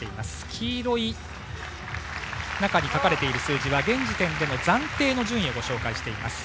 黄色い中に書かれている数字は現時点での暫定の順位をご紹介しています。